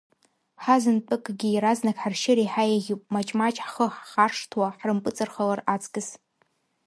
Ҳазынтәыкгьы иаразнак ҳаршьыр еиҳа еиӷьуп, маҷ-маҷ ҳхы ҳхаршҭуа ҳрымпыҵархалар аҵкьыс.